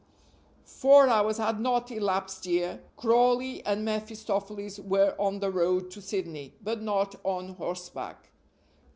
Four hours had not elapsed ere Crawley and mephistopheles were on the road to Sydney, but not on horseback.